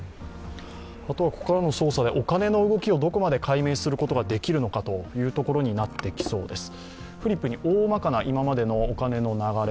ここからの捜査でお金の動きをどこまで解明することができるのかということになってきそうです。